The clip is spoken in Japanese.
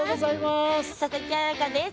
佐々木彩夏です。